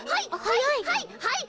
はいはいはい！